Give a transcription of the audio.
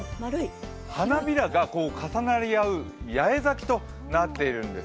花びらが重なり合う、八重咲きとなっているんです。